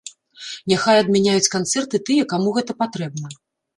Няхай адмяняюць канцэрты тыя, каму гэта патрэбна.